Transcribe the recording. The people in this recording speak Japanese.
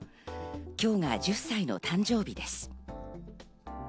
今日が１０歳の誕生日です。